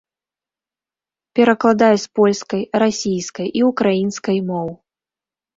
Перакладае з польскай, расійскай і ўкраінскай моў.